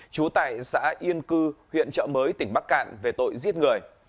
trú tại xã yên cư huyện trợ mới tỉnh bắc cạn về tội giết người